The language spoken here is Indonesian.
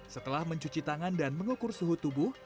setelah mencuci tangan dan mengukur suhu tubuh